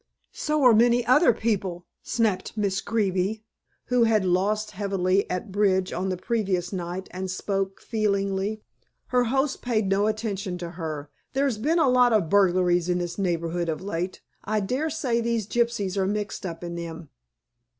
"So are many other people," snapped Miss Greeby, who had lost heavily at bridge on the previous night and spoke feelingly. Her host paid no attention to her. "There's been a lot of burglaries in this neighborhood of late. I daresay these gypsies are mixed up in them."